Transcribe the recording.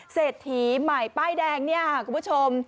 เศรษฐีใหม่ป้ายแดงเนี่ยค่ะคุณผู้ชม